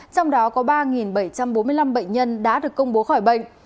trong đó có ba bảy trăm bốn mươi năm bệnh nhân đã được công bố khỏi bệnh